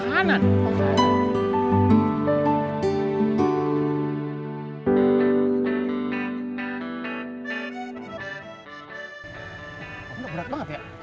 berat banget ya